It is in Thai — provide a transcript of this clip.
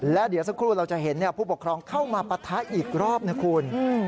และเดี๋ยวสักครู่เราจะเห็นผู้ปกครองเข้ามาปะทะอีกรอบนะคุณ